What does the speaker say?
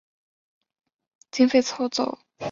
几经各项公文书往返及经费筹凑。